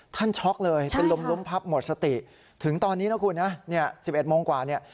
ช็อกเลยเป็นลมล้มพับหมดสติถึงตอนนี้นะคุณนะเนี่ย๑๑โมงกว่าเนี่ย